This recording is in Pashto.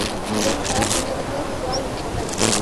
د دې مثلث له منځه تلل، د زوال نښه ده.